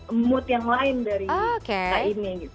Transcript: emot yang lain dari kayak ini gitu